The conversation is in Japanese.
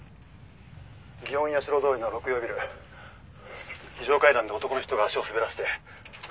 「園やしろ通りの六葉ビル」「非常階段で男の人が足を滑らせて早く！」